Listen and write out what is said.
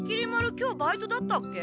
今日バイトだったっけ？